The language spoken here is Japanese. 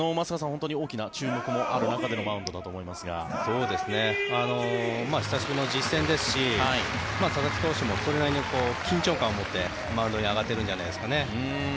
本当に大きな注目のある中での久しぶりの実戦ですし佐々木投手もそれなりに緊張感を持ってマウンドに上がっているんじゃないですかね。